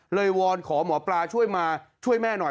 วอนขอหมอปลาช่วยมาช่วยแม่หน่อย